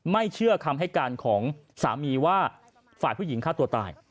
เชื่อคำให้การของสามีว่าฝ่ายผู้หญิงฆ่าตัวตาย